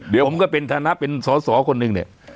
เดี๋ยวผมก็เป็นฐานะเป็นสอสอคนหนึ่งเนี่ย